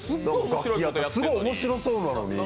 すごい面白そうなのに。